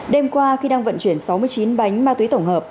đêm qua khi đang vận chuyển sáu mươi chín bánh ma túy tổng hợp